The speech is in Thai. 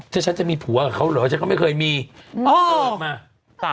ถ้าฉันจะมีผัวกับเขาเหรอฉันก็ไม่เคยมีอ๋อ